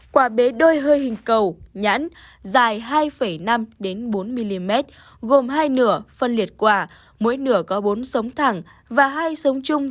quả bế đôi hơi hình cầu nhãn dài hai năm bốn mm gồm hai nửa phân liệt quả mỗi nửa có bốn sống thẳng và hai sống chung